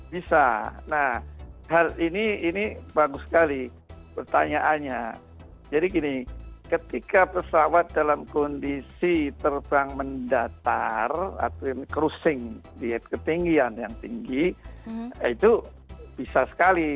bisa nah hal ini ini bagus sekali pertanyaannya jadi gini ketika pesawat dalam kondisi terbang mendatar atau crucing di ketinggian yang tinggi itu bisa sekali